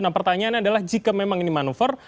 nah pertanyaannya adalah jika memang ini manuver